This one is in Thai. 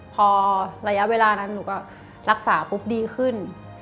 พอระยะเวลานั้นหนูก็รักษาปุ๊บดีขึ้น